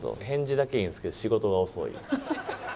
返事だけいいんですけど仕事が遅い。